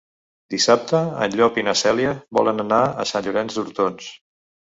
Dissabte en Llop i na Cèlia volen anar a Sant Llorenç d'Hortons.